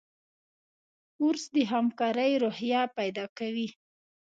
کورس د همکارۍ روحیه پیدا کوي.